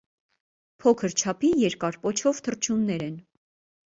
Փոքր չափի, երկար պոչով թռչուններ են։